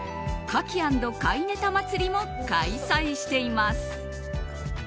牡蠣＆貝ネタ祭りも開催しています。